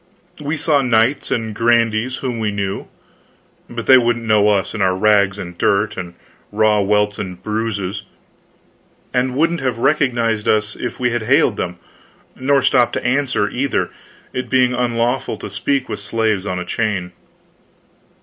We saw knights and grandees whom we knew, but they didn't know us in our rags and dirt and raw welts and bruises, and wouldn't have recognized us if we had hailed them, nor stopped to answer, either, it being unlawful to speak with slaves on a chain.